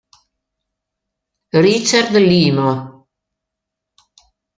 Richard Limo